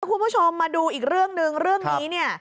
คุณผู้ชมมาดูอีกเรื่องนึงเรื่องนี้เนี่ย